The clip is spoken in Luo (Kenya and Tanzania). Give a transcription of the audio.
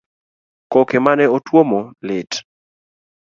Koke mane otuomo lit